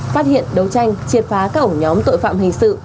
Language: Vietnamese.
phát hiện đấu tranh triệt phá các ổ nhóm tội phạm hình sự